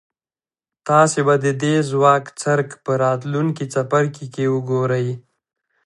تاسې به د دې ځواک څرک په راتلونکي څپرکي کې وګورئ.